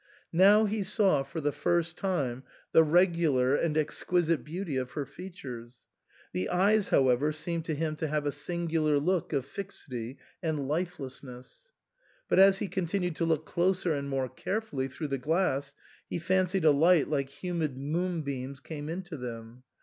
Now he saw for the first time the regular and exquisite beauty of her features. The eyes, however, seemed to him to have a singular look of fixity and lifelesness. But as he continued to look closer and more carefully through the glass he fancied a light like humid moonbeams came into them.